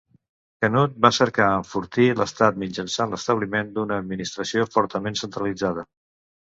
Canut va cercar enfortir l'estat mitjançant l'establiment d'una administració fortament centralitzada.